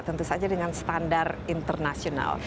tentu saja dengan standar internasional